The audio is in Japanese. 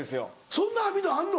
そんな網戸あんの？